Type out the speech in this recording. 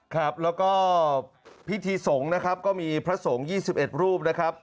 ครับแล้วก็พิธีสงฆ์นะครับก็มีพระสงฆ์๒๑รูปนะครับ